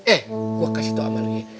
eh gue kasih tau amannya